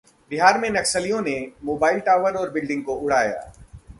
बिहार में नक्सलियों ने मोबाइल टावर और बिल्डिंग को उड़ाया